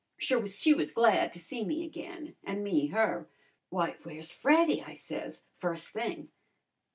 So she was glad to see me again, an' me her. 'W'y, w'ere's Freddy?' I says, first thing.